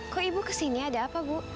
kok ibu kesini ada apa bu